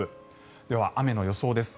では、雨の予想です。